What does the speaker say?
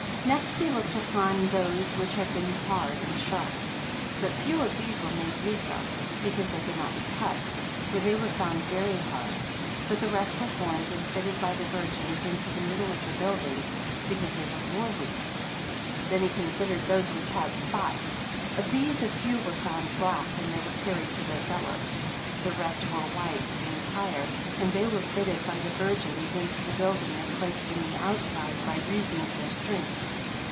72 Next he looked upon those which had been hard and sharp; but few of these were made use of, because they could not be cut, for they were found very hard: but the rest were formed, and fitted by the virgins into the middle of the building, because they were more weak. 73 Then he considered those which had spots; of these a few were found black, and they were carried to their fellows. The rest were white and entire; and they were fitted by the virgins into the building, and placed in the outside, by reason of their strength.